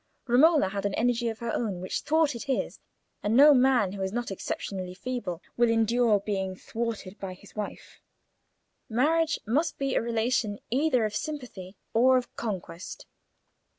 Romola had an energy of her own which thwarted his, and no man, who is not exceptionally feeble, will endure being thwarted by his wife. Marriage must be a relation either of sympathy or of conquest.